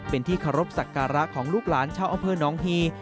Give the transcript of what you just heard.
เป็นที่เคารพสักการะของลูกหลานชาวอำเภอน้องฮี